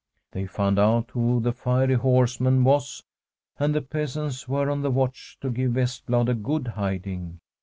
They found out who the fiery horseman was, and the peasants were on the watch to give Vestblad a good hiding.